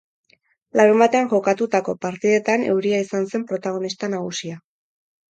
Larunbatean jokatutako partidetan euria izan zen protagonista nagusia.